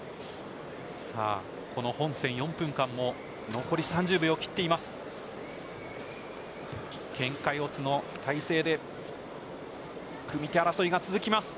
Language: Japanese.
この本戦４分間も残り３０秒を切っています。